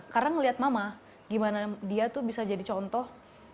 karena ngeliat mama gimana dia tuh bisa jadi contoh